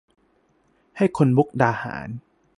ให้คนมุกดาหาร